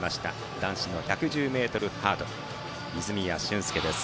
男子の１１０ｍハードル泉谷駿介です。